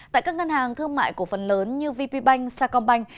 tại các ngân hàng thương mại cổ phần lớn như vp bank sacombank